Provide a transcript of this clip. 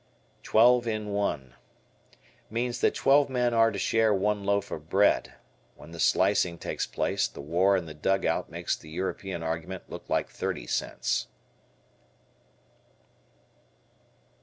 "Twelve in one." Means that twelve men are to share one loaf of bread. When the slicing takes place the war in the dugout makes the European argument look like thirty cents.